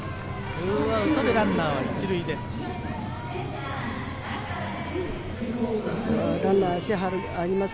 ２アウトでランナーは１塁です。